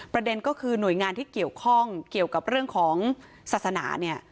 ประเด็นก็คือหน่วยงานที่เกี่ยวข้องเกี่ยวกับเรื่องของศาสนาเนี่ย